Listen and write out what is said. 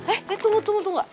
eh tunggu tunggu tunggu